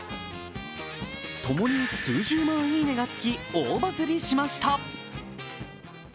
ともに、数十万いいねがつき、大バズりしました。